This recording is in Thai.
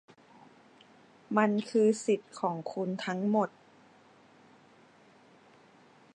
มันคือสิทธิของคุณทั้งหมด